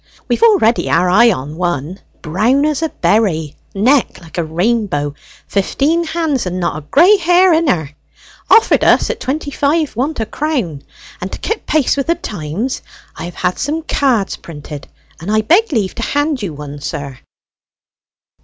We've already our eye on one brown as a berry, neck like a rainbow, fifteen hands, and not a gray hair in her offered us at twenty five want a crown. And to kip pace with the times I have had some cards prented and I beg leave to hand you one, sir."